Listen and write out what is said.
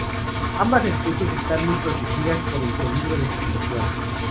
Ambas especies están muy protegidas por el peligro de extinción.